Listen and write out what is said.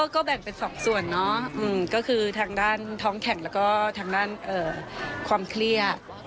ก็แบ่งเป็นสองส่วนเนาะก็คือทางด้านท้องแข่งแล้วก็ทางด้านความเครียด